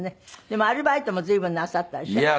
でもアルバイトも随分なさったでしょ？